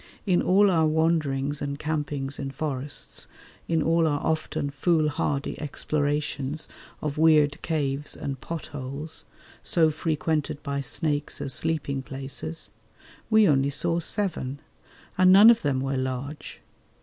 In all our wanderings and campings in forests, in all our often foolhardy explorations of weird caves and pot holes, so frequented by snakes as sleeping places, we only saw seven, and none of them were large.